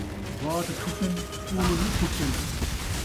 وات چھٹن ، کوڑ ناں کھٹن